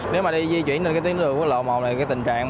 nếu mà đi di chuyển trên tiến đường quốc lộ một